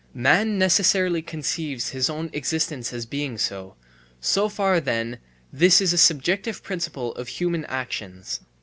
Man necessarily conceives his own existence as being so; so far then this is a subjective principle of human actions.